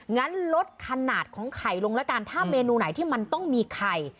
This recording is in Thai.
งั้นลดขนาดของไข่ลงแล้วกันถ้าเมนูไหนที่มันต้องมีไข่